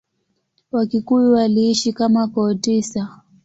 Wakikuyu waliishi kama koo tisa.